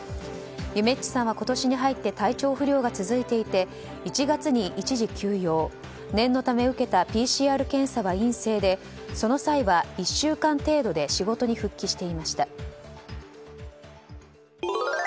ゆめっちさんは今年に入って体調不良が続いていて１月に一時休養念のため受けたＰＣＲ検査は陰性でその際は、１週間程度で仕事に復帰していました。